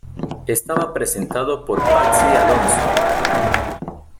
Estaba presentado por Patxi Alonso.